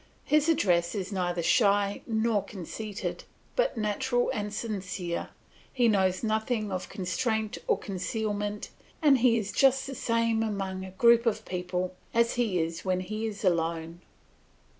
His address is neither shy nor conceited, but natural and sincere, he knows nothing of constraint or concealment, and he is just the same among a group of people as he is when he is alone.